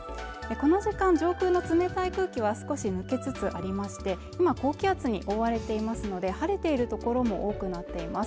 この時間上空の冷たい空気は少し抜けつつありまして今高気圧に覆われていますので晴れている所も多くなっています